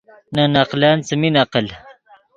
نے نقلن څیمین عقل